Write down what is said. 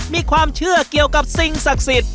มีความเชื่อเกี่ยวกับสิ่งศักดิ์สิทธิ์